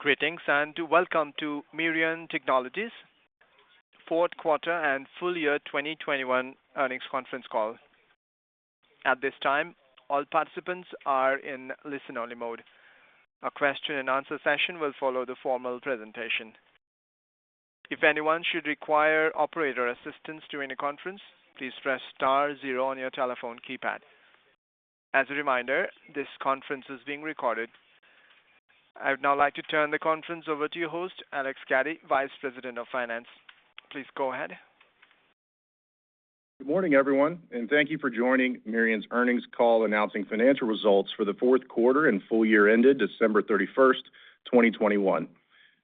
Greetings, and welcome to Mirion Technologies Fourth Quarter and Full Year 2021 Earnings Conference Call. At this time, all participants are in listen-only mode. A question and answer session will follow the formal presentation. If anyone should require operator assistance during the conference, please press star zero on your telephone keypad. As a reminder, this conference is being recorded. I would now like to turn the conference over to your host, Alex Gaddy, Vice President of Finance. Please go ahead. Good morning, everyone, and thank you for joining Mirion's earnings call announcing financial results for the fourth quarter and full year ended December 31st, 2021.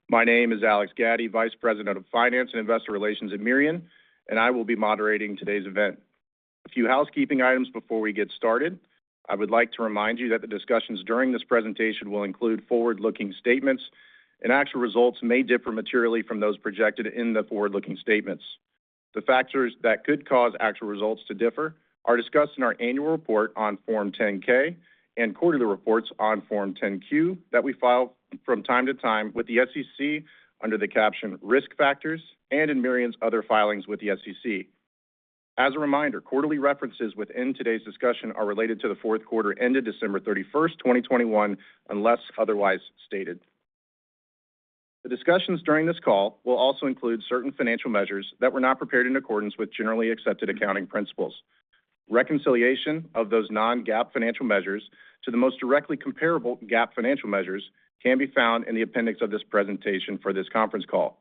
My name is Alex Gaddy, Vice President of Finance and Investor Relations at Mirion, and I will be moderating today's event. A few housekeeping items before we get started. I would like to remind you that the discussions during this presentation will include forward-looking statements, and actual results may differ materially from those projected in the forward-looking statements. The factors that could cause actual results to differ are discussed in our annual report on Form 10-K and quarterly reports on Form 10-Q that we file from time to time with the SEC under the caption Risk Factors and in Mirion's other filings with the SEC. As a reminder, quarterly references within today's discussion are related to the fourth quarter ended December 3st1, 2021, unless otherwise stated. The discussions during this call will also include certain financial measures that were not prepared in accordance with generally accepted accounting principles. Reconciliation of those non-GAAP financial measures to the most directly comparable GAAP financial measures can be found in the appendix of this presentation for this conference call.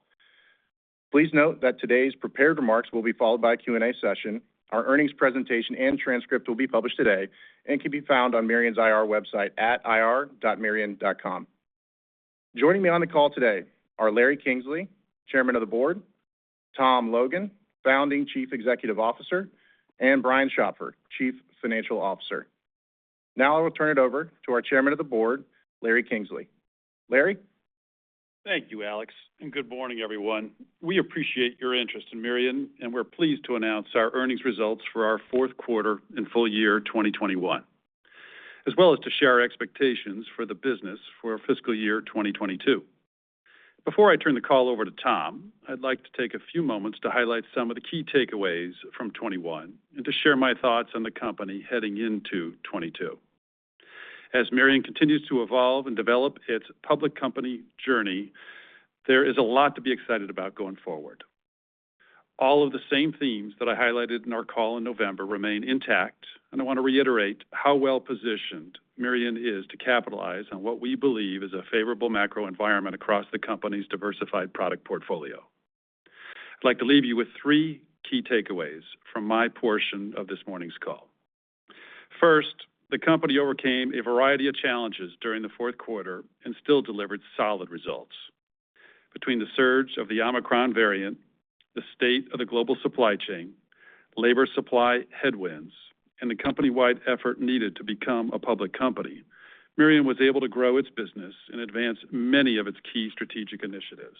Please note that today's prepared remarks will be followed by a Q&A session. Our earnings presentation and transcript will be published today and can be found on Mirion's IR website at ir.mirion.com. Joining me on the call today are Larry Kingsley, Chairman of the Board, Thomas Logan, Founding Chief Executive Officer, and Brian Schopfer, Chief Financial Officer. Now I will turn it over to our Chairman of the Board, Larry Kingsley. Larry. Thank you, Alex, and good morning, everyone. We appreciate your interest in Mirion, and we're pleased to announce our earnings results for our fourth quarter and full year 2021, as well as to share our expectations for the business for fiscal year 2022. Before I turn the call over to Tom, I'd like to take a few moments to highlight some of the key takeaways from 2021 and to share my thoughts on the company heading into 2022. As Mirion continues to evolve and develop its public company journey, there is a lot to be excited about going forward. All of the same themes that I highlighted in our call in November remain intact, and I want to reiterate how well-positioned Mirion is to capitalize on what we believe is a favorable macro environment across the company's diversified product portfolio. I'd like to leave you with three key takeaways from my portion of this morning's call. First, the company overcame a variety of challenges during the fourth quarter and still delivered solid results. Between the surge of the Omicron variant, the state of the global supply chain, labor supply headwinds, and the company-wide effort needed to become a public company, Mirion was able to grow its business and advance many of its key strategic initiatives.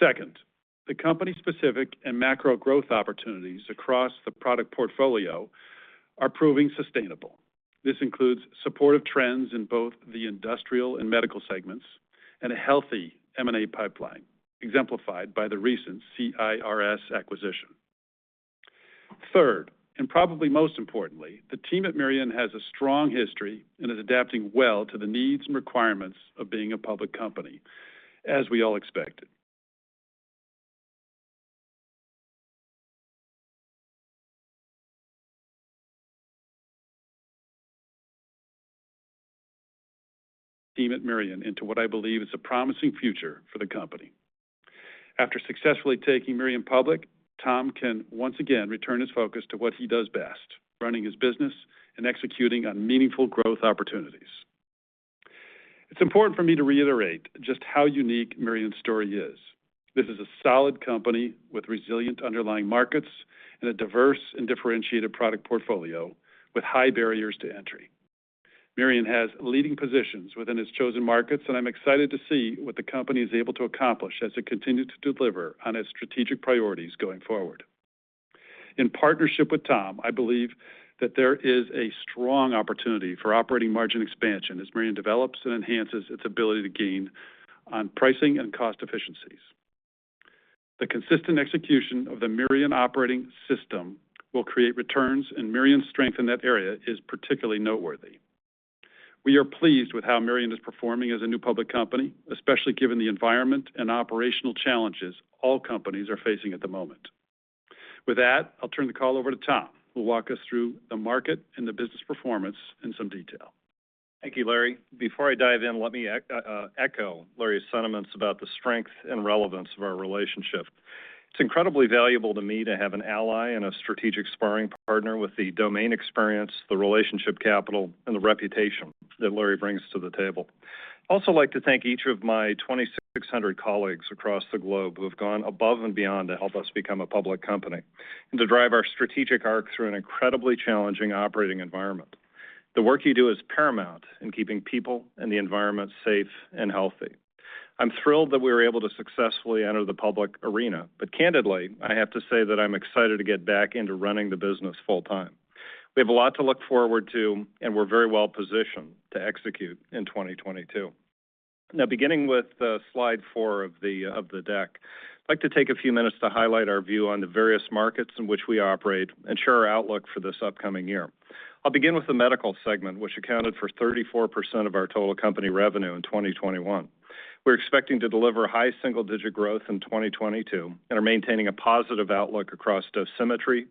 Second, the company's specific and macro growth opportunities across the product portfolio are proving sustainable. This includes supportive trends in both the industrial and medical segments and a healthy M&A pipeline, exemplified by the recent CIRS acquisition. Third, and probably most importantly, the team at Mirion has a strong history and is adapting well to the needs and requirements of being a public company, as we all expected. ...team at Mirion into what I believe is a promising future for the company. After successfully taking Mirion public, Tom can once again return his focus to what he does best, running his business and executing on meaningful growth opportunities. It's important for me to reiterate just how unique Mirion's story is. This is a solid company with resilient underlying markets and a diverse and differentiated product portfolio with high barriers to entry. Mirion has leading positions within its chosen markets, and I'm excited to see what the company is able to accomplish as it continues to deliver on its strategic priorities going forward. In partnership with Tom, I believe that there is a strong opportunity for operating margin expansion as Mirion develops and enhances its ability to gain on pricing and cost efficiencies. The consistent execution of the Mirion operating system will create returns, and Mirion's strength in that area is particularly noteworthy. We are pleased with how Mirion is performing as a new public company, especially given the environment and operational challenges all companies are facing at the moment. With that, I'll turn the call over to Tom, who will walk us through the market and the business performance in some detail. Thank you, Larry. Before I dive in, let me echo Larry's sentiments about the strength and relevance of our relationship. It's incredibly valuable to me to have an ally and a strategic sparring partner with the domain experience, the relationship capital, and the reputation that Larry brings to the table. I'd also like to thank each of my 2,600 colleagues across the globe who have gone above and beyond to help us become a public company and to drive our strategic arc through an incredibly challenging operating environment. The work you do is paramount in keeping people and the environment safe and healthy. I'm thrilled that we were able to successfully enter the public arena, but candidly, I have to say that I'm excited to get back into running the business full-time. We have a lot to look forward to, and we're very well positioned to execute in 2022. Now, beginning with slide four of the deck, I'd like to take a few minutes to highlight our view on the various markets in which we operate and share our outlook for this upcoming year. I'll begin with the Medical segment, which accounted for 34% of our total company revenue in 2021. We're expecting to deliver high single-digit growth in 2022 and are maintaining a positive outlook across Dosimetry,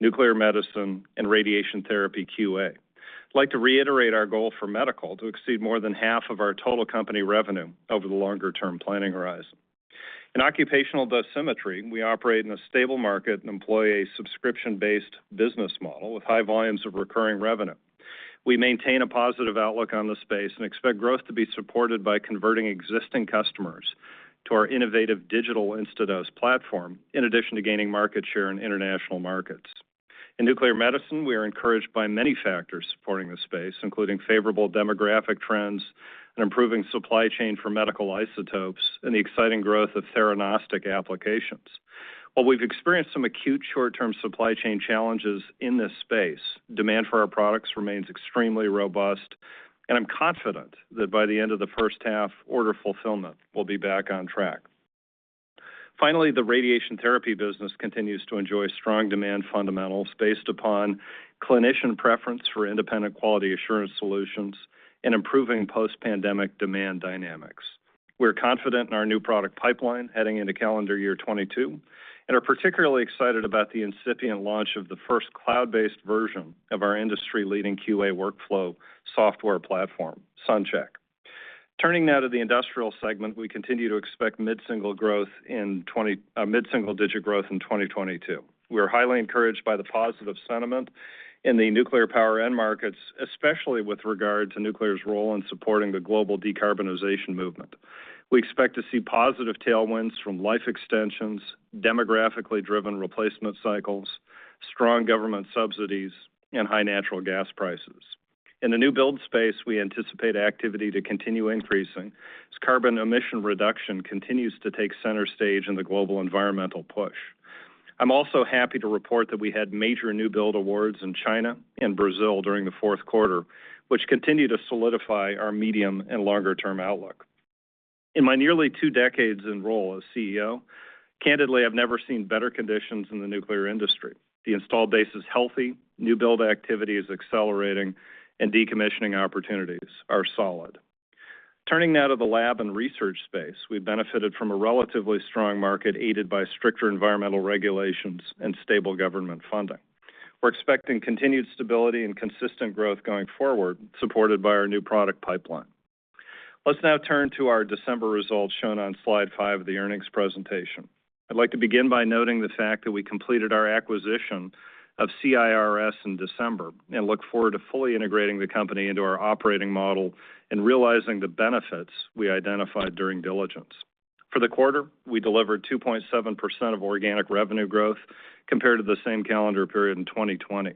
Nuclear Medicine, and Radiation Therapy QA. I'd like to reiterate our goal for Medical to exceed more than half of our total company revenue over the longer-term planning horizon. In occupational dosimetry, we operate in a stable market and employ a subscription-based business model with high volumes of recurring revenue. We maintain a positive outlook on the space and expect growth to be supported by converting existing customers to our innovative digital Instadose platform, in addition to gaining market share in international markets. In nuclear medicine, we are encouraged by many factors supporting the space, including favorable demographic trends and improving supply chain for medical isotopes and the exciting growth of theranostic applications. While we've experienced some acute short-term supply chain challenges in this space, demand for our products remains extremely robust, and I'm confident that by the end of the H1, order fulfillment will be back on track. Finally, the radiation therapy business continues to enjoy strong demand fundamentals based upon clinician preference for independent quality assurance solutions and improving post-pandemic demand dynamics. We're confident in our new product pipeline heading into calendar year 2022 and are particularly excited about the incipient launch of the first cloud-based version of our industry-leading QA workflow software platform, SunCHECK. Turning now to the Industrial segment, we continue to expect mid-single-digit growth in 2022. We are highly encouraged by the positive sentiment in the nuclear power end markets, especially with regard to nuclear's role in supporting the global decarbonization movement. We expect to see positive tailwinds from life extensions, demographically driven replacement cycles, strong government subsidies, and high natural gas prices. In the new build space, we anticipate activity to continue increasing as carbon emission reduction continues to take center stage in the global environmental push. I'm also happy to report that we had major new build awards in China and Brazil during the fourth quarter, which continue to solidify our medium and longer-term outlook. In my nearly two decades in role as CEO, candidly, I've never seen better conditions in the nuclear industry. The installed base is healthy, new build activity is accelerating, and decommissioning opportunities are solid. Turning now to the lab and research space, we've benefited from a relatively strong market aided by stricter environmental regulations and stable government funding. We're expecting continued stability and consistent growth going forward, supported by our new product pipeline. Let's now turn to our December results shown on slide five of the earnings presentation. I'd like to begin by noting the fact that we completed our acquisition of CIRS in December and look forward to fully integrating the company into our operating model and realizing the benefits we identified during diligence. For the quarter, we delivered 2.7% organic revenue growth compared to the same calendar period in 2020.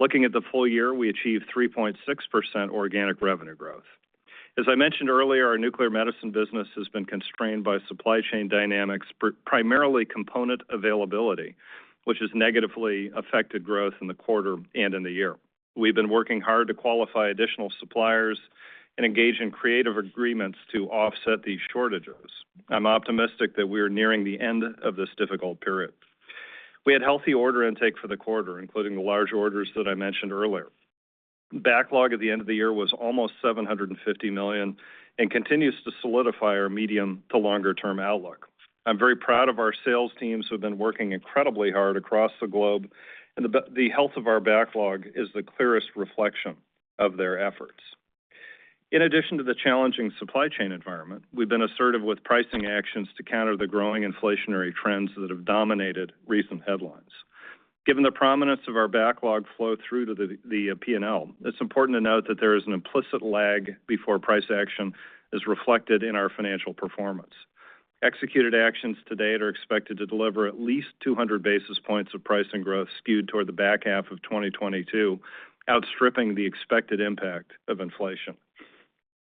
Looking at the full year, we achieved 3.6% organic revenue growth. As I mentioned earlier, our Nuclear Medicine business has been constrained by supply chain dynamics, primarily component availability, which has negatively affected growth in the quarter and in the year. We've been working hard to qualify additional suppliers and engage in creative agreements to offset these shortages. I'm optimistic that we're nearing the end of this difficult period. We had healthy order intake for the quarter, including the large orders that I mentioned earlier. Backlog at the end of the year was almost $750 million and continues to solidify our medium to longer-term outlook. I'm very proud of our sales teams who have been working incredibly hard across the globe, and the health of our backlog is the clearest reflection of their efforts. In addition to the challenging supply chain environment, we've been assertive with pricing actions to counter the growing inflationary trends that have dominated recent headlines. Given the prominence of our backlog flow through to the P&L, it's important to note that there is an implicit lag before price action is reflected in our financial performance. Executed actions to date are expected to deliver at least 200 basis points of pricing growth skewed toward the back half of 2022, outstripping the expected impact of inflation.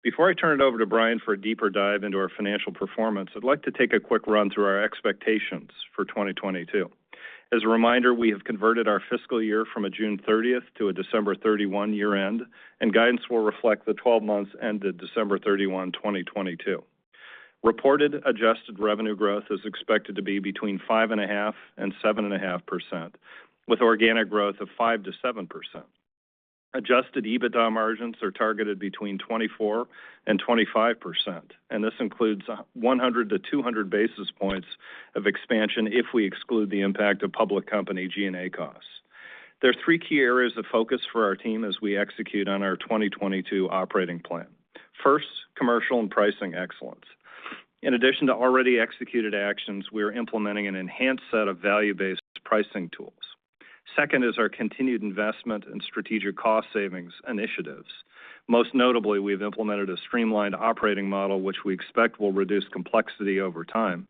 Before I turn it over to Brian for a deeper dive into our financial performance, I'd like to take a quick run through our expectations for 2022. As a reminder, we have converted our fiscal year from a June 30th to a December 31 year-end, and guidance will reflect the 12 months ended December 31, 2022. Reported adjusted revenue growth is expected to be between 5.5% and 7.5%, with organic growth of 5%-7%. Adjusted EBITDA margins are targeted between 24% and 25%, and this includes 100-200 basis points of expansion if we exclude the impact of public company G&A costs. There are three key areas of focus for our team as we execute on our 2022 operating plan. First, commercial and pricing excellence. In addition to already executed actions, we are implementing an enhanced set of value-based pricing tools. Second is our continued investment in strategic cost savings initiatives. Most notably, we've implemented a streamlined operating model, which we expect will reduce complexity over time.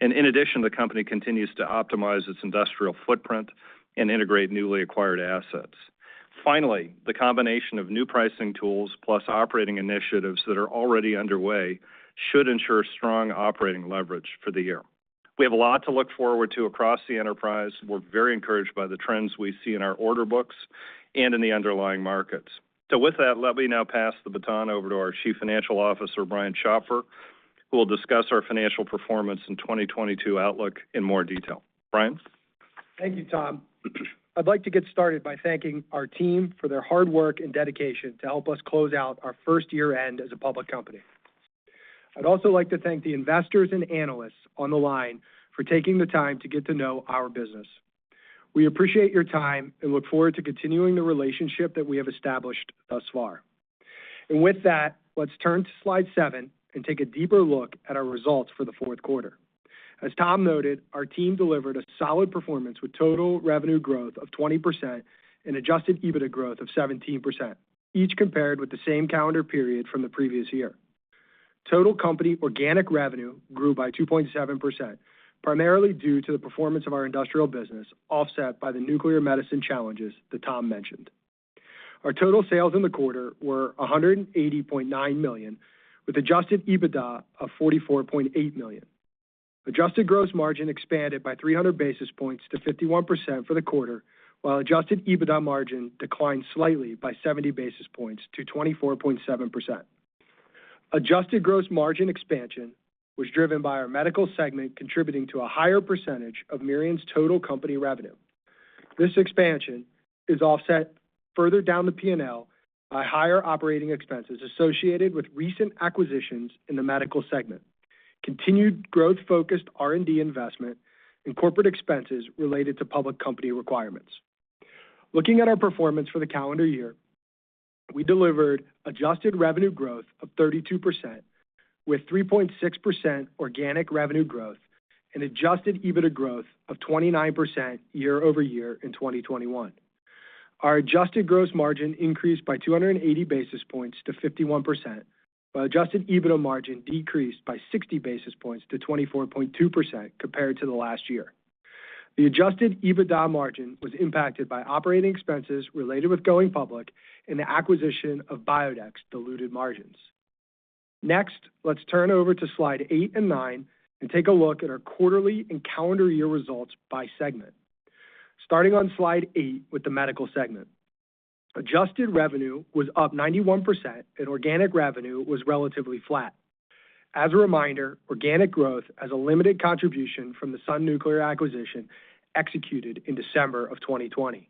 In addition, the company continues to optimize its industrial footprint and integrate newly acquired assets. Finally, the combination of new pricing tools plus operating initiatives that are already underway should ensure strong operating leverage for the year. We have a lot to look forward to across the enterprise. We're very encouraged by the trends we see in our order books and in the underlying markets. With that, let me now pass the baton over to our Chief Financial Officer, Brian Schopfer, who will discuss our financial performance in 2022 outlook in more detail. Brian. Thank you, Tom. I'd like to get started by thanking our team for their hard work and dedication to help us close out our first year-end as a public company. I'd also like to thank the investors and analysts on the line for taking the time to get to know our business. We appreciate your time and look forward to continuing the relationship that we have established thus far. With that, let's turn to slide seven and take a deeper look at our results for the fourth quarter. As Tom noted, our team delivered a solid performance with total revenue growth of 20% and adjusted EBITDA growth of 17%, each compared with the same calendar period from the previous year. Total company organic revenue grew by 2.7%, primarily due to the performance of our industrial business, offset by the nuclear medicine challenges that Tom mentioned. Our total sales in the quarter were $180.9 million, with adjusted EBITDA of $44.8 million. Adjusted gross margin expanded by 300 basis points to 51% for the quarter, while adjusted EBITDA margin declined slightly by 70 basis points to 24.7%. Adjusted gross margin expansion was driven by our medical segment contributing to a higher percentage of Mirion's total company revenue. This expansion is offset further down the P&L by higher operating expenses associated with recent acquisitions in the medical segment, continued growth-focused R&D investment and corporate expenses related to public company requirements. Looking at our performance for the calendar year, we delivered Adjusted revenue growth of 32% with 3.6% organic revenue growth and Adjusted EBITDA growth of 29% year-over-year in 2021. Our adjusted gross margin increased by 280 basis points to 51%, while Adjusted EBITDA margin decreased by 60 basis points to 24.2% compared to the last year. The Adjusted EBITDA margin was impacted by operating expenses related to going public and the acquisition of Biodex diluted margins. Next, let's turn to slide eight and nine and take a look at our quarterly and calendar year results by segment. Starting on slide eight with the Medical segment. Adjusted revenue was up 91% and organic revenue was relatively flat. As a reminder, organic growth has a limited contribution from the Sun Nuclear acquisition executed in December of 2020.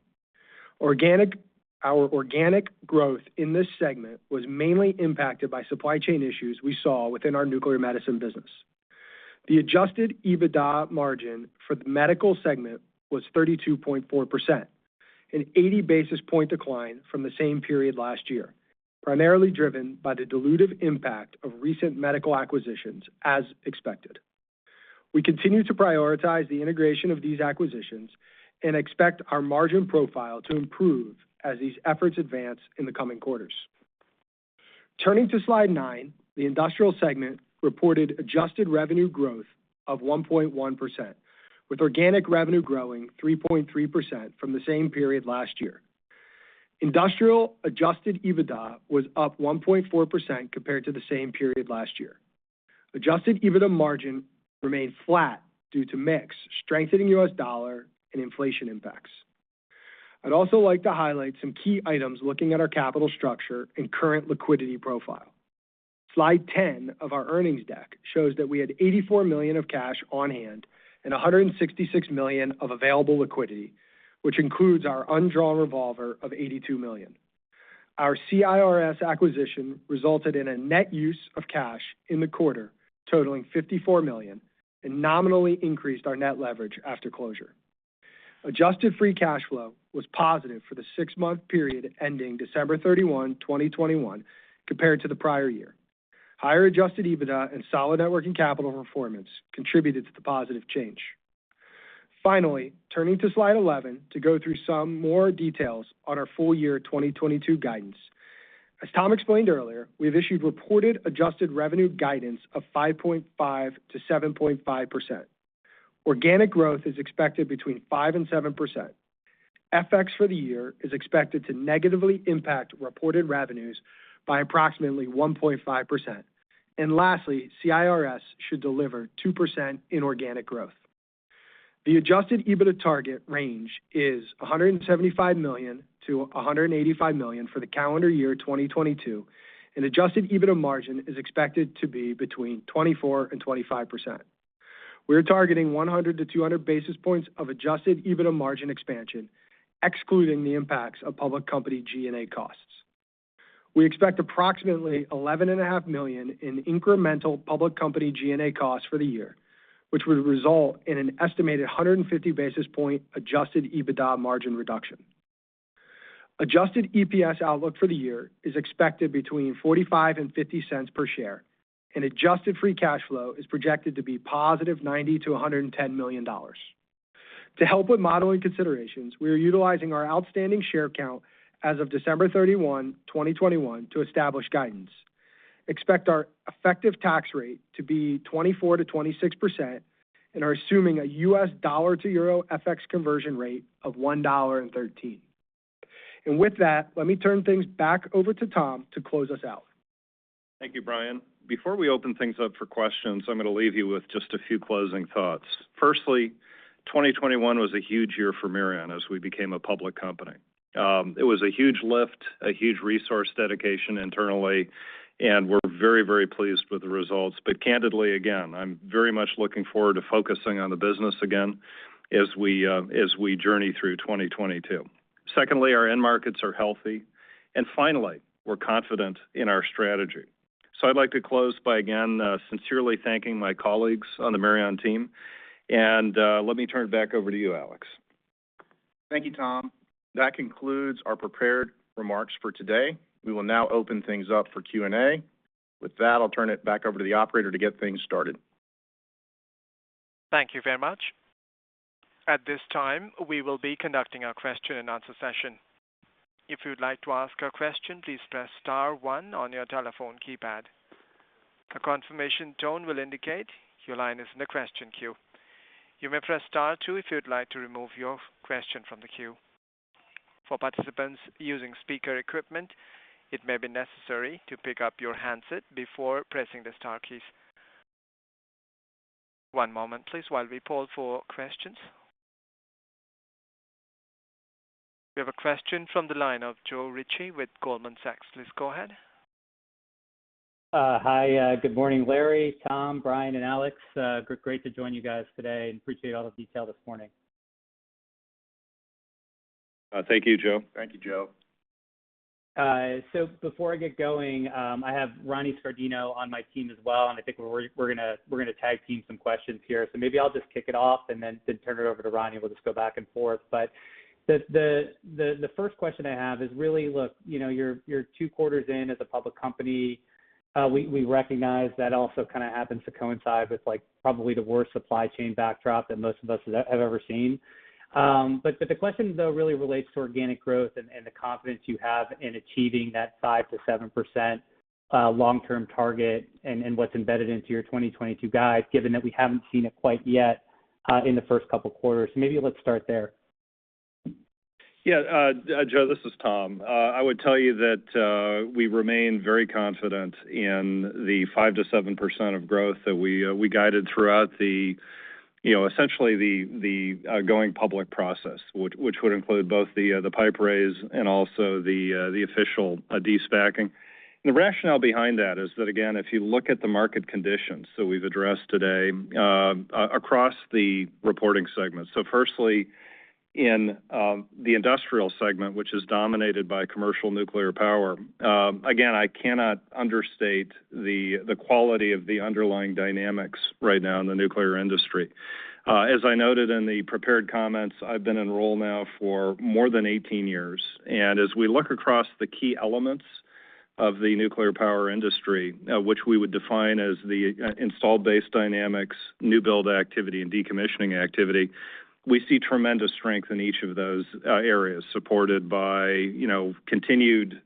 Our organic growth in this segment was mainly impacted by supply chain issues we saw within our nuclear medicine business. The Adjusted EBITDA margin for the Medical segment was 32.4%, an 80 basis point decline from the same period last year, primarily driven by the dilutive impact of recent medical acquisitions as expected. We continue to prioritize the integration of these acquisitions and expect our margin profile to improve as these efforts advance in the coming quarters. Turning to slide nine, the Industrial segment reported adjusted revenue growth of 1.1%, with organic revenue growing 3.3% from the same period last year. Industrial adjusted EBITDA was up 1.4% compared to the same period last year. Adjusted EBITDA margin remained flat due to mix, strengthening U.S. dollar, and inflation impacts. I'd also like to highlight some key items looking at our capital structure and current liquidity profile. Slide 10 of our earnings deck shows that we had $84 million of cash on hand and $166 million of available liquidity, which includes our undrawn revolver of $82 million. Our CIRS acquisition resulted in a net use of cash in the quarter, totaling $54 million, and nominally increased our net leverage after closure. Adjusted free cash flow was positive for the six-month period ending December 31, 2021, compared to the prior year. Higher adjusted EBITDA and solid net working capital performance contributed to the positive change. Finally, turning to slide 11 to go through some more details on our full year 2022 guidance. As Tom explained earlier, we have issued reported adjusted revenue guidance of 5.5%-7.5%. Organic growth is expected between 5% and 7%. FX for the year is expected to negatively impact reported revenues by approximately 1.5%. Lastly, CIRS should deliver 2% inorganic growth. The Adjusted EBITDA target range is $175 million-$185 million for the calendar year 2022, and adjusted EBITDA margin is expected to be between 24%-25%. We're targeting 100-200 basis points of adjusted EBITDA margin expansion, excluding the impacts of public company G&A costs. We expect approximately $11.5 million in incremental public company G&A costs for the year, which would result in an estimated 150 basis point adjusted EBITDA margin reduction. Adjusted EPS outlook for the year is expected between $0.45 and $0.50 per share, and adjusted free cash flow is projected to be positive $90 million-$110 million. To help with modeling considerations, we are utilizing our outstanding share count as of December 31, 2021, to establish guidance. We expect our effective tax rate to be 24%-26% and are assuming a U.S. dollar to euro FX conversion rate of $1.13. With that, let me turn things back over to Tom to close us out. Thank you, Brian. Before we open things up for questions, I'm going to leave you with just a few closing thoughts. Firstly, 2021 was a huge year for Mirion as we became a public company. It was a huge lift, a huge resource dedication internally, and we're very, very pleased with the results. Candidly, again, I'm very much looking forward to focusing on the business again as we journey through 2022. Secondly, our end markets are healthy. Finally, we're confident in our strategy. I'd like to close by again sincerely thanking my colleagues on the Mirion team. Let me turn it back over to you, Alex. Thank you, Tom. That concludes our prepared remarks for today. We will now open things up for Q&A. With that, I'll turn it back over to the operator to get things started. Thank you very much. At this time, we will be conducting our question-and-answer session. If you'd like to ask a question, please press star one on your telephone keypad. A confirmation tone will indicate your line is in the question queue. You may press star two if you'd like to remove your question from the queue. For participants using speaker equipment, it may be necessary to pick up your handset before pressing the star keys. One moment, please, while we poll for questions. We have a question from the line of Joe Ritchie with Goldman Sachs. Please go ahead. Hi. Good morning, Larry, Tom, Brian, and Alex. Great to join you guys today and appreciate all the detail this morning. Thank you, Joe. Thank you, Joe. Before I get going, I have Ronny Scardino on my team as well, and I think we're gonna tag team some questions here. Maybe I'll just kick it off and then turn it over to Ronny, and we'll just go back and forth. The first question I have is really, look, you know, you're two quarters in as a public company. We recognize that also kind of happens to coincide with, like, probably the worst supply chain backdrop that most of us have ever seen. The question though really relates to organic growth and the confidence you have in achieving that 5%-7% long-term target and what's embedded into your 2022 guide, given that we haven't seen it quite yet in the first couple quarters. Maybe let's start there. Yeah, Joe, this is Tom. I would tell you that we remain very confident in the 5%-7% growth that we guided throughout the you know essentially the going public process, which would include both the PIPE raise and also the official de-SPACing. The rationale behind that is that, again, if you look at the market conditions that we've addressed today, across the reporting segments. Firstly, in the industrial segment, which is dominated by commercial nuclear power, again, I cannot understate the quality of the underlying dynamics right now in the nuclear industry. As I noted in the prepared comments, I've been in role now for more than 18 years. As we look across the key elements of the nuclear power industry, which we would define as the installed base dynamics, new build activity, and decommissioning activity, we see tremendous strength in each of those areas supported by, you know, continued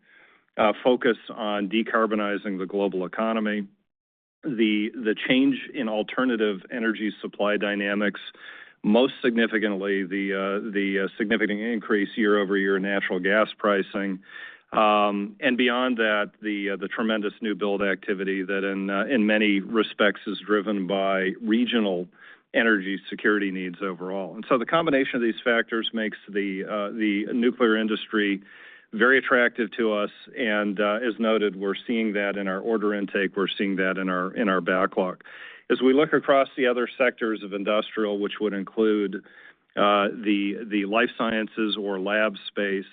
focus on decarbonizing the global economy, the change in alternative energy supply dynamics, most significantly the significant increase year-over-year in natural gas pricing, and beyond that, the tremendous new build activity that in many respects is driven by regional energy security needs overall. The combination of these factors makes the nuclear industry very attractive to us. As noted, we're seeing that in our order intake. We're seeing that in our backlog. As we look across the other sectors of industrial, which would include the life sciences or lab space,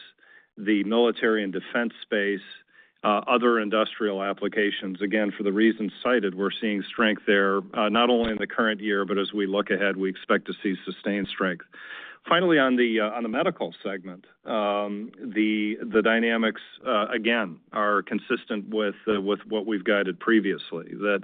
the military and defense space, other industrial applications, again, for the reasons cited, we're seeing strength there, not only in the current year, but as we look ahead, we expect to see sustained strength. Finally, on the medical segment, the dynamics again are consistent with what we've guided previously. That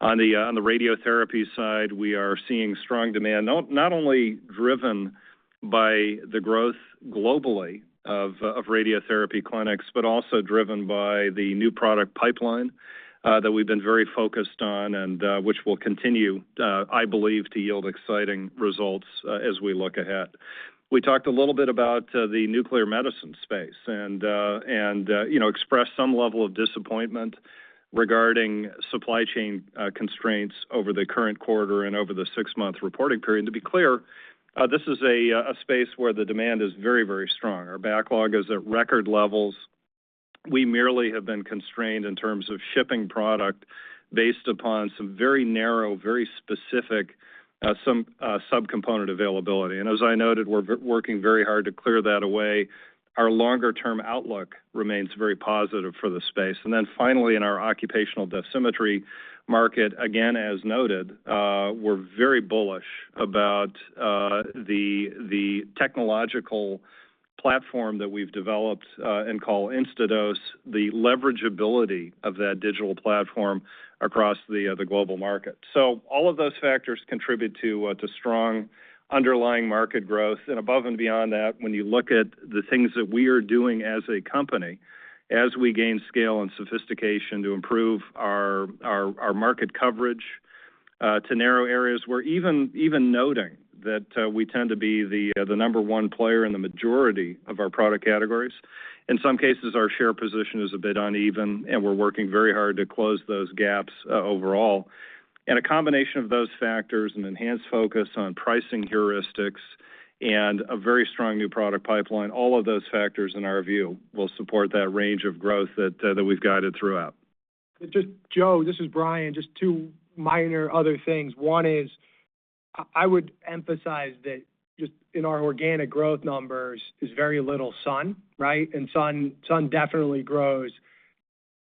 on the radiotherapy side, we are seeing strong demand, not only driven by the growth globally of radiotherapy clinics, but also driven by the new product pipeline that we've been very focused on and which will continue, I believe, to yield exciting results as we look ahead. We talked a little bit about the nuclear medicine space and you know expressed some level of disappointment regarding supply chain constraints over the current quarter and over the six-month reporting period. To be clear, this is a space where the demand is very, very strong. Our backlog is at record levels. We merely have been constrained in terms of shipping product based upon some very narrow, very specific subcomponent availability. As I noted, we're working very hard to clear that away. Our longer-term outlook remains very positive for the space. Then finally, in our occupational dosimetry market, again, as noted, we're very bullish about the technological platform that we've developed and call Instadose, the leverageability of that digital platform across the global market. All of those factors contribute to strong underlying market growth. Above and beyond that, when you look at the things that we are doing as a company, as we gain scale and sophistication to improve our market coverage to narrow areas where even noting that we tend to be the number one player in the majority of our product categories. In some cases, our share position is a bit uneven, and we're working very hard to close those gaps overall. A combination of those factors, an enhanced focus on pricing heuristics, and a very strong new product pipeline, all of those factors, in our view, will support that range of growth that we've guided throughout. Joe, this is Brian. Just two minor other things. One is, I would emphasize that just in our organic growth numbers is very little Sun, right? Sun definitely grows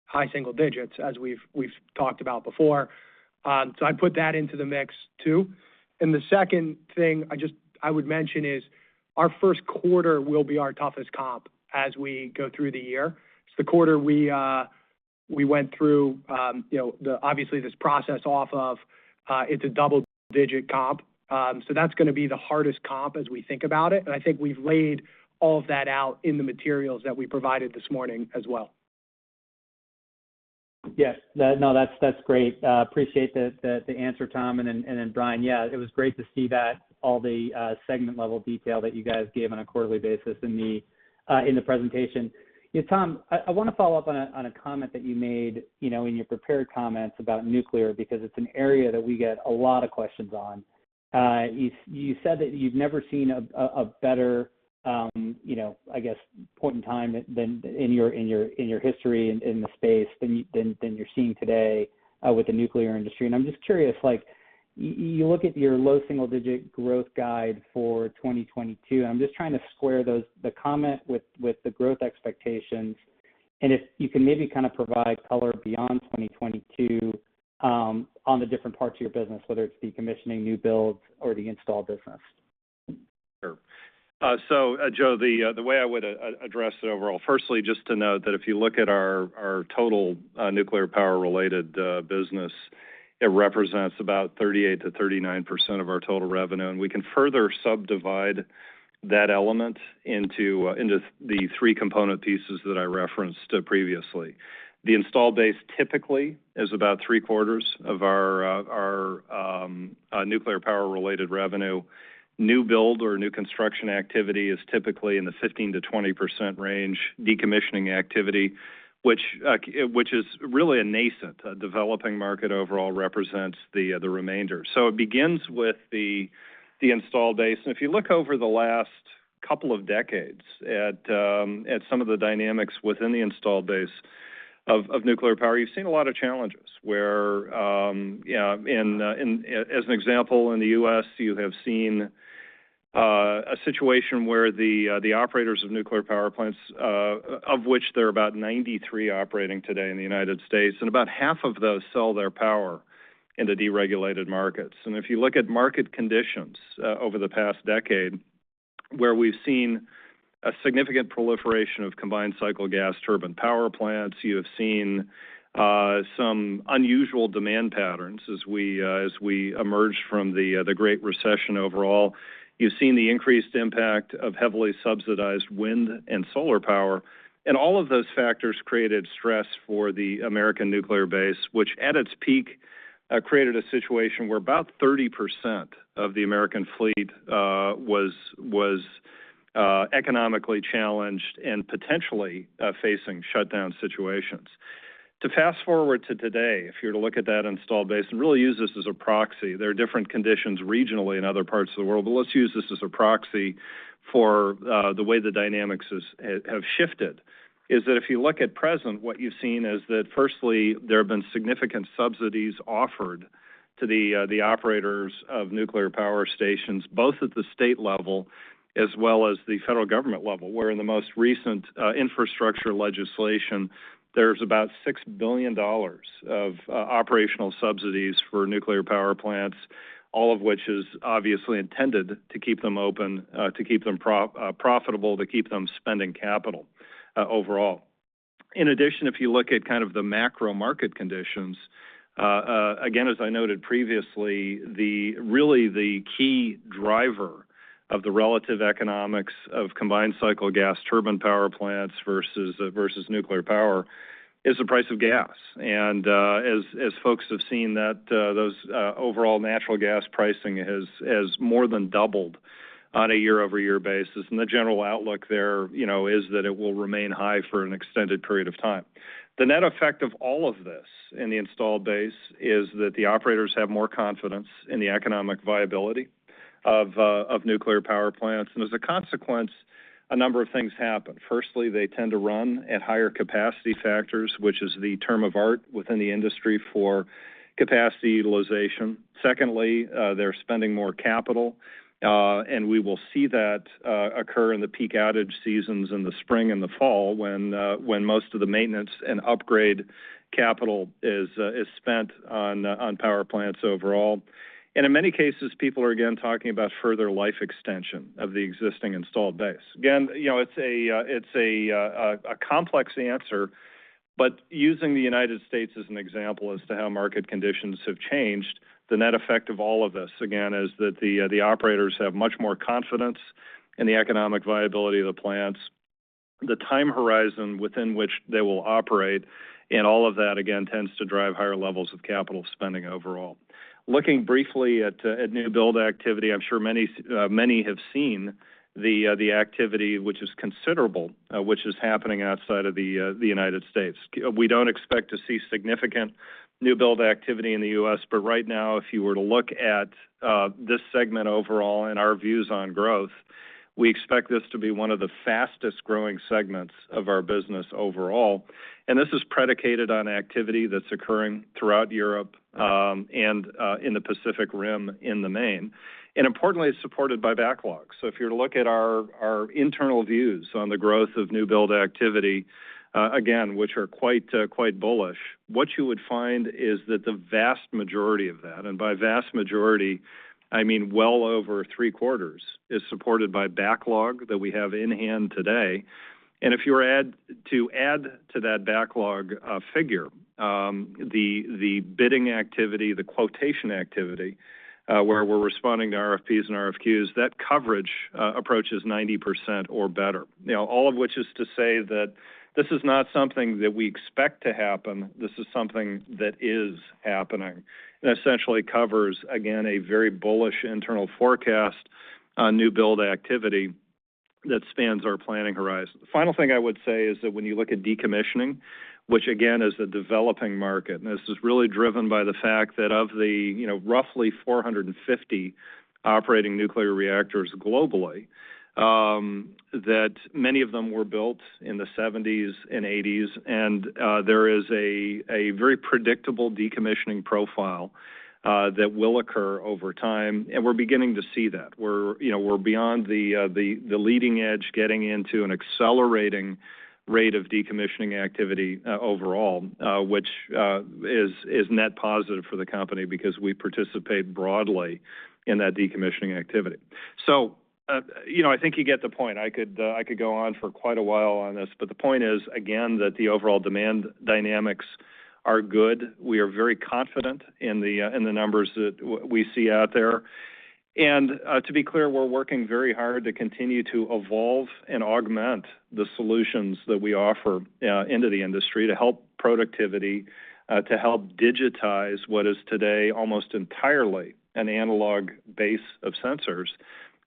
high single digits, as we've talked about before. I put that into the mix too. The second thing I would mention is our first quarter will be our toughest comp as we go through the year. It's the quarter we went through, obviously this process off of. It's a double-digit comp. That's gonna be the hardest comp as we think about it. I think we've laid all of that out in the materials that we provided this morning as well. Yes. No, that's great. Appreciate the answer, Tom, and then, Brian, yeah, it was great to see that all the segment-level detail that you guys gave on a quarterly basis in the presentation. Tom, I want to follow up on a comment that you made, you know, in your prepared comments about nuclear, because it's an area that we get a lot of questions on. You said that you've never seen a better, you know, I guess, point in time than in your history in the space than you're seeing today with the nuclear industry. I'm just curious, like, you look at your low single-digit growth guide for 2022, I'm just trying to square that comment with the growth expectations and if you can maybe kind of provide color beyond 2022, on the different parts of your business, whether it's decommissioning new builds or the installed business. Sure. Joe, the way I would address it overall, firstly, just to note that if you look at our total nuclear power-related business, it represents about 38%-39% of our total revenue. We can further subdivide that element into the three component pieces that I referenced previously. The installed base typically is about 3/4 of our nuclear power-related revenue. New build or new construction activity is typically in the 15%-20% range. Decommissioning activity, which is really a nascent, developing market overall, represents the remainder. It begins with the installed base. If you look over the last couple of decades at some of the dynamics within the installed base of nuclear power, you've seen a lot of challenges where, you know, as an example, in the U.S., you have seen a situation where the operators of nuclear power plants, of which there are about 93 operating today in the United States, and about half of those sell their power into deregulated markets. If you look at market conditions over the past decade, where we've seen a significant proliferation of combined cycle gas turbine power plants, you have seen some unusual demand patterns as we emerge from the Great Recession overall. You've seen the increased impact of heavily subsidized wind and solar power. All of those factors created stress for the American nuclear base, which at its peak created a situation where about 30% of the American fleet was economically challenged and potentially facing shutdown situations. To fast-forward to today, if you were to look at that installed base and really use this as a proxy. There are different conditions regionally in other parts of the world, but let's use this as a proxy for the way the dynamics have shifted, is that if you look at present, what you've seen is that firstly, there have been significant subsidies offered to the operators of nuclear power stations, both at the state level as well as the federal government level, where in the most recent infrastructure legislation, there's about $6 billion of operational subsidies for nuclear power plants, all of which is obviously intended to keep them open, to keep them profitable, to keep them spending capital overall. In addition, if you look at kind of the macro market conditions, again, as I noted previously, really the key driver of the relative economics of combined cycle gas turbine power plants versus nuclear power is the price of gas. As folks have seen that, those overall natural gas pricing has more than doubled on a year-over-year basis. The general outlook there, you know, is that it will remain high for an extended period of time. The net effect of all of this in the installed base is that the operators have more confidence in the economic viability of nuclear power plants. As a consequence, a number of things happen. Firstly, they tend to run at higher capacity factors, which is the term of art within the industry for capacity utilization. Secondly, they're spending more capital, and we will see that occur in the peak outage seasons in the spring and the fall when most of the maintenance and upgrade capital is spent on power plants overall. In many cases, people are again talking about further life extension of the existing installed base. Again, you know, it's a complex answer, but using the United States as an example as to how market conditions have changed, the net effect of all of this, again, is that the operators have much more confidence in the economic viability of the plants. The time horizon within which they will operate and all of that again tends to drive higher levels of capital spending overall. Looking briefly at new build activity, I'm sure many have seen the activity which is considerable, which is happening outside of the United States. We don't expect to see significant new build activity in the U.S. Right now, if you were to look at this segment overall and our views on growth, we expect this to be one of the fastest-growing segments of our business overall. This is predicated on activity that's occurring throughout Europe and in the Pacific Rim in the main. Importantly, it's supported by backlogs. If you were to look at our internal views on the growth of new build activity, again, which are quite bullish, what you would find is that the vast majority of that, and by vast majority, I mean well over three-quarters, is supported by backlog that we have in hand today. If you were to add to that backlog figure, the bidding activity, the quotation activity, where we're responding to RFPs and RFQs, that coverage approaches 90% or better. You know, all of which is to say that this is not something that we expect to happen. This is something that is happening. Essentially covers, again, a very bullish internal forecast on new build activity that spans our planning horizon. The final thing I would say is that when you look at decommissioning, which again is a developing market, and this is really driven by the fact that of the, you know, roughly 450 operating nuclear reactors globally, that many of them were built in the 1970s and 1980s, and there is a very predictable decommissioning profile that will occur over time, and we're beginning to see that. We're, you know, we're beyond the leading edge, getting into an accelerating rate of decommissioning activity, overall, which is net positive for the company because we participate broadly in that decommissioning activity. You know, I think you get the point. I could go on for quite a while on this, but the point is, again, that the overall demand dynamics are good. We are very confident in the numbers that we see out there. To be clear, we're working very hard to continue to evolve and augment the solutions that we offer into the industry to help productivity, to help digitize what is today almost entirely an analog base of sensors.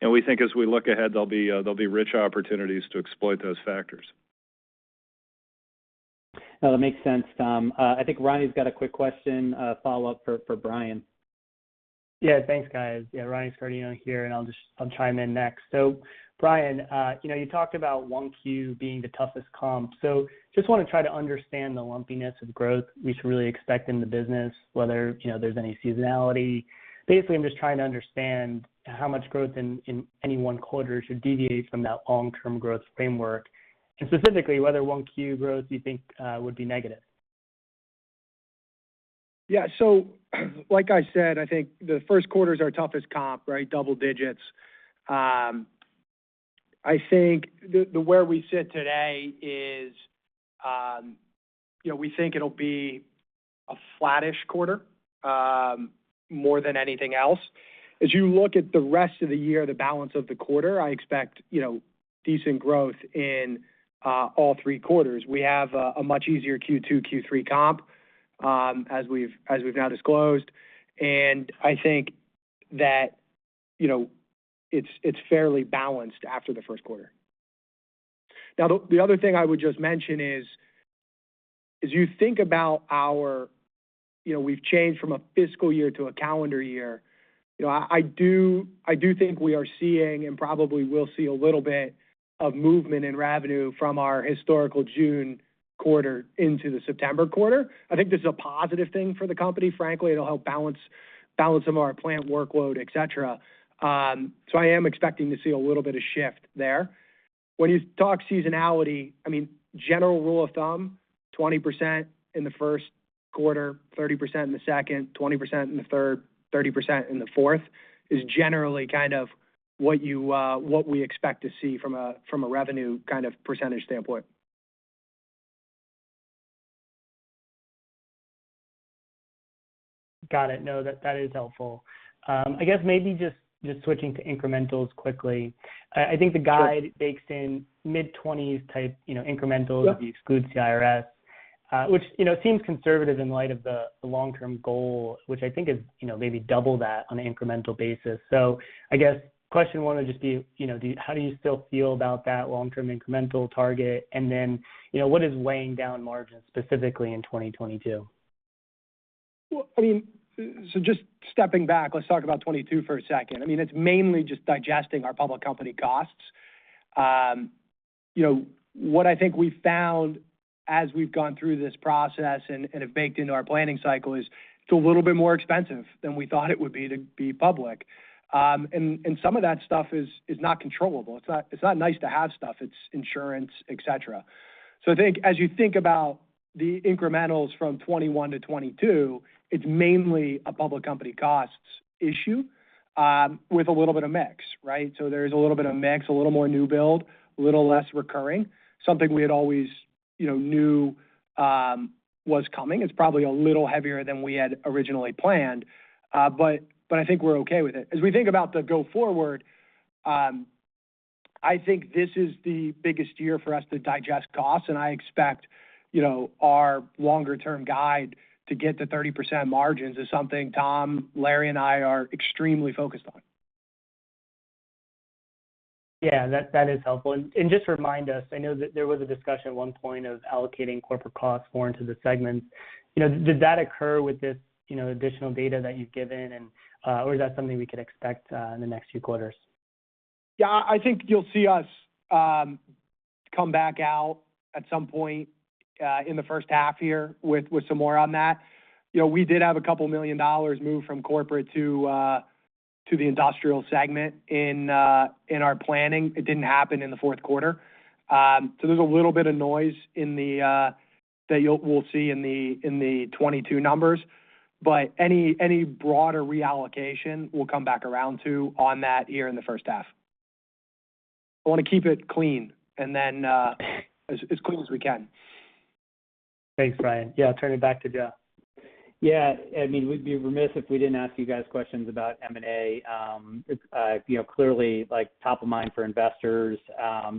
We think as we look ahead, there'll be rich opportunities to exploit those factors. No, that makes sense, Tom. I think Ronny's got a quick question, follow-up for Brian. Yeah, thanks, guys. Yeah, Ronny Scardino here, and I'll chime in next. Brian, you know, you talked about 1Q being the toughest comp. Just wanna try to understand the lumpiness of growth we should really expect in the business, whether, you know, there's any seasonality. Basically, I'm just trying to understand how much growth in any one quarter should deviate from that long-term growth framework, and specifically, whether 1Q growth you think would be negative. Yeah. Like I said, I think the first quarter is our toughest comp, right? Double-digits. I think the way we sit today is, you know, we think it'll be a flattish quarter, more than anything else. As you look at the rest of the year, the balance of the quarter, I expect, you know, decent growth in all three quarters. We have a much easier Q2, Q3 comp, as we've now disclosed. I think that, you know, it's fairly balanced after the first quarter. Now the other thing I would just mention is, as you think about our you know, we've changed from a fiscal year to a calendar year. You know, I do think we are seeing and probably will see a little bit of movement in revenue from our historical June quarter into the September quarter. I think this is a positive thing for the company, frankly. It'll help balance some of our plant workload, et cetera. So I am expecting to see a little bit of shift there. When you talk seasonality, I mean, general rule of thumb, 20% in the first quarter, 30% in the second, 20% in the third, 30% in the fourth, is generally kind of what we expect to see from a revenue kind of percentage standpoint. Got it. No, that is helpful. I guess maybe just switching to incrementals quickly. I think the guide bakes in mid-20s type, you know, incrementals if you exclude CIRS, which, you know, seems conservative in light of the long-term goal, which I think is, you know, maybe double that on an incremental basis. I guess question one would just be, you know, do you, how do you still feel about that long-term incremental target? Then, you know, what is weighing down margins specifically in 2022? Well, I mean, so just stepping back, let's talk about 2022 for a second. I mean, it's mainly just digesting our public company costs. You know, what I think we found as we've gone through this process and have baked into our planning cycle is it's a little bit more expensive than we thought it would be to be public. Some of that stuff is not controllable. It's not nice to have stuff. It's insurance, et cetera. I think as you think about the incrementals from 2021 to 2022, it's mainly a public company costs issue, with a little bit of mix, right? There's a little bit of mix, a little more new build, a little less recurring. Something we had always You know it was coming. It's probably a little heavier than we had originally planned, but I think we're okay with it. As we think about the go forward, I think this is the biggest year for us to digest costs, and I expect, you know, our longer-term guide to get to 30% margins is something Tom, Larry, and I are extremely focused on. Yeah, that is helpful. Just remind us, I know that there was a discussion at one point of allocating corporate costs more into the segments. You know, did that occur with this, you know, additional data that you've given, or is that something we could expect in the next few quarters? Yeah. I think you'll see us come back out at some point in the first half here with some more on that. You know, we did have $2 million move from corporate to the industrial segment in our planning. It didn't happen in the fourth quarter. There's a little bit of noise in that we'll see in the 2022 numbers. Any broader reallocation we'll come back around to that in the first half. I wanna keep it clean and then as cool as we can. Thanks, Brian. Yeah, I'll turn it back to Joe. Yeah. I mean, we'd be remiss if we didn't ask you guys questions about M&A. It's you know, clearly, like, top of mind for investors,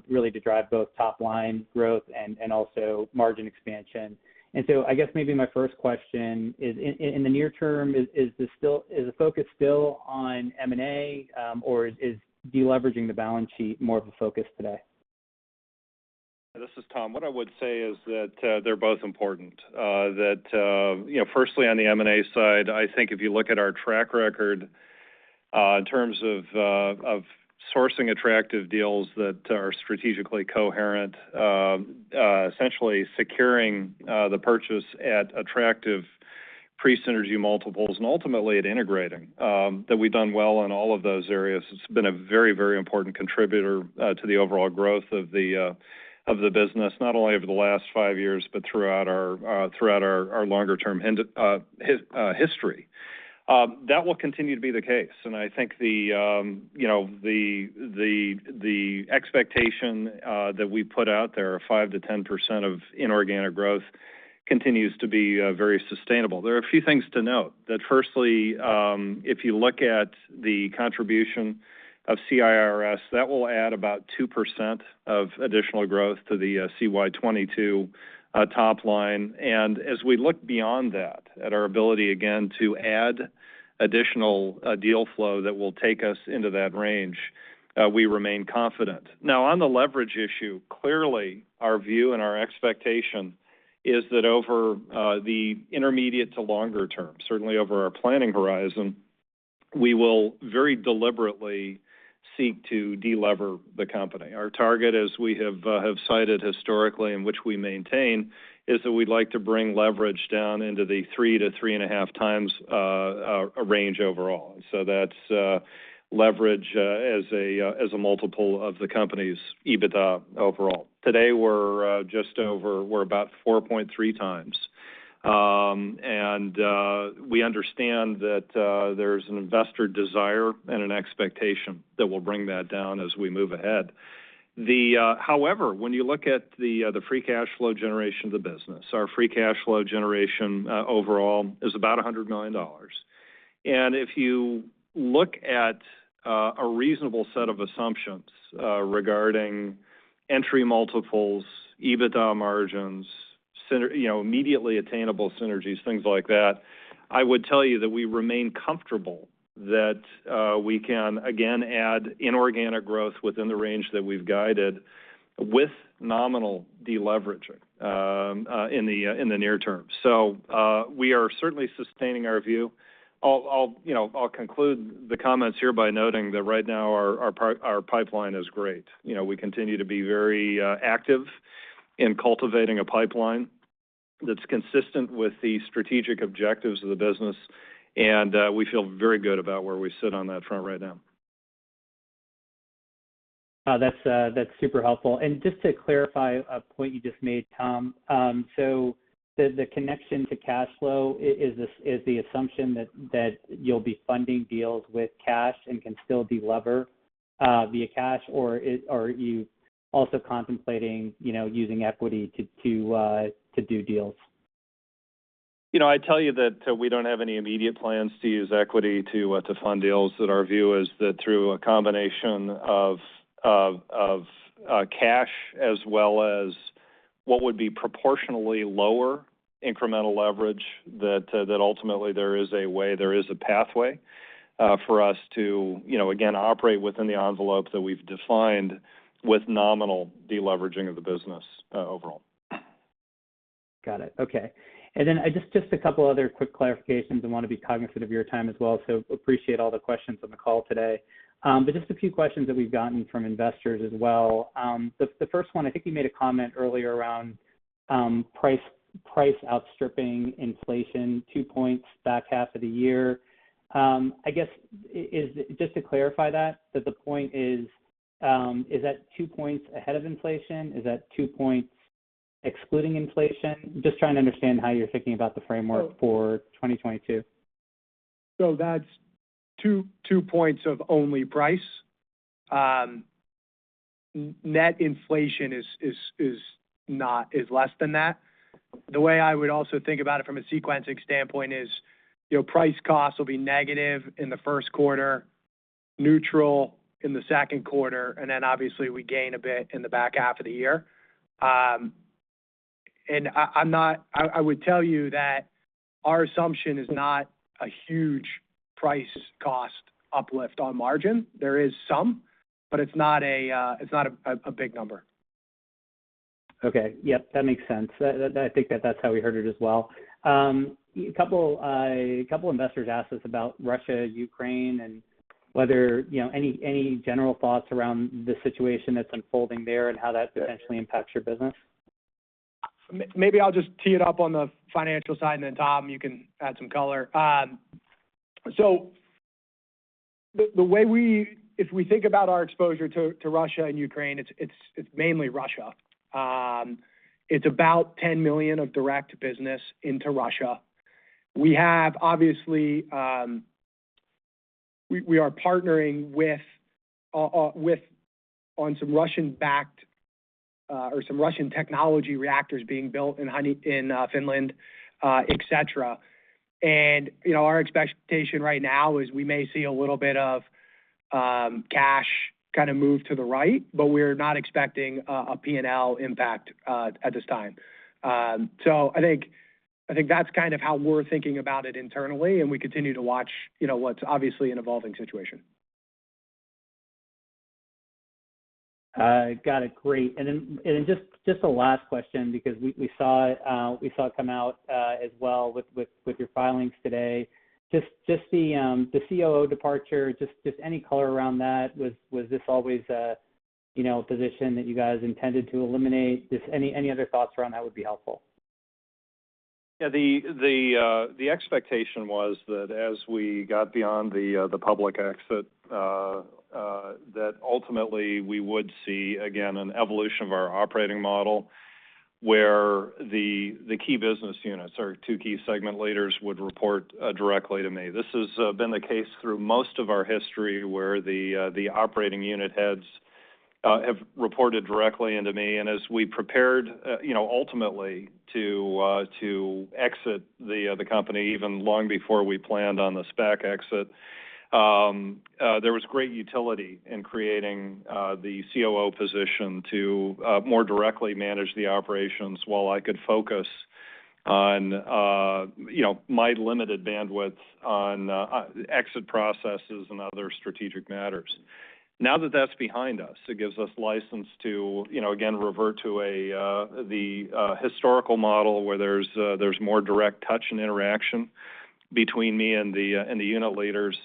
really to drive both top line growth and also margin expansion. I guess maybe my first question is in the near term, is the focus still on M&A, or is deleveraging the balance sheet more of a focus today? This is Tom. What I would say is that they're both important. You know, firstly, on the M&A side, I think if you look at our track record in terms of sourcing attractive deals that are strategically coherent, essentially securing the purchase at attractive pre-synergy multiples and ultimately integrating that we've done well in all of those areas. It's been a very important contributor to the overall growth of the business, not only over the last five years, but throughout our longer term history. That will continue to be the case. I think the expectation that we put out there of 5%-10% inorganic growth continues to be very sustainable. There are a few things to note. Firstly, if you look at the contribution of CIRS, that will add about 2% of additional growth to the CY 2022 top line. As we look beyond that, at our ability again to add additional deal flow that will take us into that range, we remain confident. Now, on the leverage issue, clearly, our view and our expectation is that over the intermediate to longer term, certainly over our planning horizon, we will very deliberately seek to delever the company. Our target, as we have cited historically and which we maintain, is that we'd like to bring leverage down into the 3-3.5x range overall. That's leverage as a multiple of the company's EBITDA overall. Today, we're about 4.3x. We understand that there's an investor desire and an expectation that we'll bring that down as we move ahead. However, when you look at the free cash flow generation of the business, our free cash flow generation overall is about $100 million. If you look at a reasonable set of assumptions regarding entry multiples, EBITDA margins, you know, immediately attainable synergies, things like that, I would tell you that we remain comfortable that we can again add inorganic growth within the range that we've guided with nominal deleveraging in the near term. We are certainly sustaining our view. I'll conclude the comments here by noting that right now our pipeline is great. You know, we continue to be very active in cultivating a pipeline that's consistent with the strategic objectives of the business, and we feel very good about where we sit on that front right now. Oh, that's super helpful. Just to clarify a point you just made, Tom. The connection to cash flow is the assumption that you'll be funding deals with cash and can still delever via cash, or are you also contemplating, you know, using equity to do deals? You know, I'd tell you that we don't have any immediate plans to use equity to fund deals, that our view is that through a combination of cash as well as what would be proportionally lower incremental leverage, that ultimately there is a way, there is a pathway for us to, you know, again, operate within the envelope that we've defined with nominal deleveraging of the business overall. Got it. Okay. Then, just a couple other quick clarifications. I wanna be cognizant of your time as well, so appreciate all the questions on the call today. Just a few questions that we've gotten from investors as well. The first one, I think you made a comment earlier around price outstripping inflation two points back half of the year. I guess just to clarify that the point is that two points ahead of inflation? Is that two points excluding inflation? Just trying to understand how you're thinking about the framework for 2022. That's two points of only price. Net inflation is less than that. The way I would also think about it from a sequencing standpoint is price costs will be negative in the first quarter, neutral in the second quarter, and then obviously we gain a bit in the back half of the year. I would tell you that our assumption is not a huge price cost uplift on margin. There is some, but it's not a big number. Okay. Yep, that makes sense. I think that that's how we heard it as well. A couple investors asked us about Russia, Ukraine, and whether, you know, any general thoughts around the situation that's unfolding there and how that potentially impacts your business? Maybe I'll just tee it up on the financial side, and then Tom, you can add some color. If we think about our exposure to Russia and Ukraine, it's mainly Russia. It's about $10 million of direct business into Russia. We have obviously we are partnering on some Russian-backed or some Russian technology reactors being built in Hanhikivi in Finland, et cetera. You know, our expectation right now is we may see a little bit of cash kinda move to the right, but we're not expecting a P&L impact at this time. I think that's kind of how we're thinking about it internally, and we continue to watch, you know, what's obviously an evolving situation. Got it. Great. Just the last question because we saw it come out as well with your filings today. Just the COO departure, any color around that. Was this always a, you know, position that you guys intended to eliminate? Just any other thoughts around that would be helpful. Yeah. The expectation was that as we got beyond the public exit, that ultimately we would see, again, an evolution of our operating model, where the key business units or two key segment leaders would report directly to me. This has been the case through most of our history where the operating unit heads have reported directly into me. As we prepared, you know, ultimately to exit the company even long before we planned on the SPAC exit, there was great utility in creating the COO position to more directly manage the operations while I could focus on, you know, my limited bandwidth on exit processes and other strategic matters. Now that that's behind us, it gives us license to, you know, again revert to the historical model where there's more direct touch and interaction between me and the unit leaders.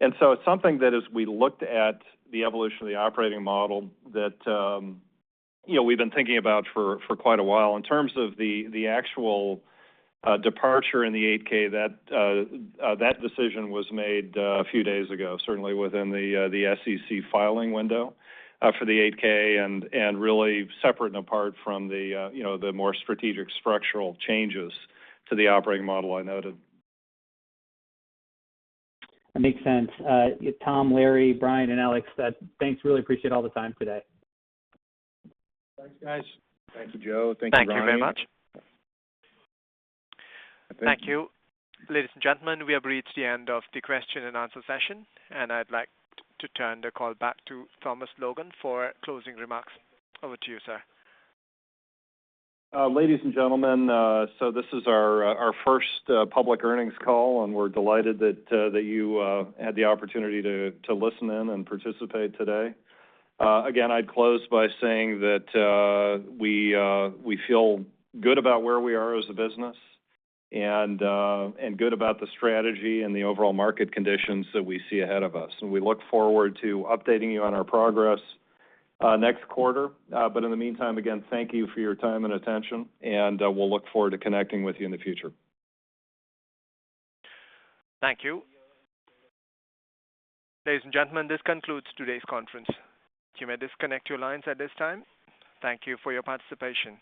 It's something that as we looked at the evolution of the operating model that, you know, we've been thinking about for quite a while. In terms of the actual departure in the Form 8-K, that decision was made a few days ago, certainly within the SEC filing window for the Form 8-K, and really separate and apart from the, you know, the more strategic structural changes to the operating model I noted. That makes sense. Tom, Larry, Brian, and Alex, thanks. I really appreciate all the time today. Thanks, guys. Thanks, Joe. Thank you, Brian. Thank you very much. Thank you. Ladies and gentlemen, we have reached the end of the question and answer session, and I'd like to turn the call back to Thomas Logan for closing remarks. Over to you, sir. Ladies and gentlemen, this is our first public earnings call, and we're delighted that you had the opportunity to listen in and participate today. Again, I'd close by saying that we feel good about where we are as a business and good about the strategy and the overall market conditions that we see ahead of us. We look forward to updating you on our progress next quarter. In the meantime, again, thank you for your time and attention, and we'll look forward to connecting with you in the future. Thank you. Ladies and gentlemen, this concludes today's conference. You may disconnect your lines at this time. Thank you for your participation.